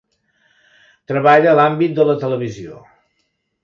Treballa a l'àmbit de la televisió.